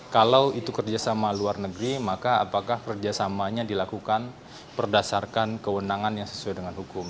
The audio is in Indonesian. kalau itu kerjasama luar negeri maka apakah kerjasamanya dilakukan berdasarkan kewenangan yang sesuai dengan hukum